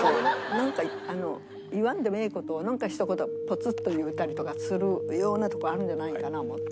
なんかあの言わんでもええ事をなんかひと言ポツッと言うたりとかするようなとこあるんじゃないかな思って。